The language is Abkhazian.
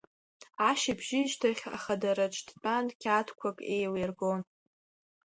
Ашьыбжьышьҭахь ахадараҿ, дтәаны қьаадқәак еилиргон.